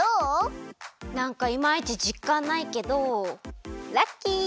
なんかいまいちじっかんないけどラッキー。